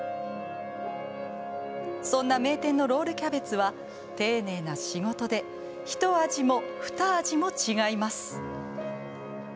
そんな名店のロールキャベツは丁寧な仕事でひと味もふた味も違います。